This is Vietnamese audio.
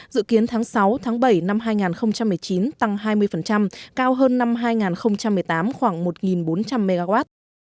dự kiến tháng sáu tháng bảy năm hai nghìn một mươi chín tăng hai mươi cao hơn năm hai nghìn một mươi tám khoảng một bốn trăm linh mw